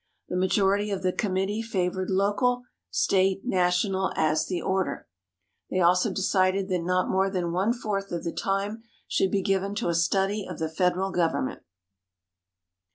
The majority of the committee favored local, State, national as the order. They also decided that not more than one fourth of the time should be given to a study of the federal government.